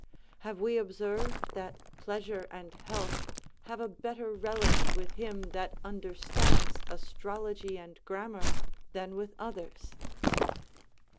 Have we observed that pleasure and health have a better relish with him that understands astrology and grammar than with others?